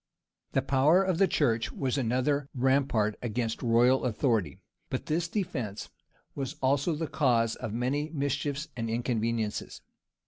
] The power of the church was another rampart against royal authority; but this defence was also the cause of many mischiefs and inconveniencies.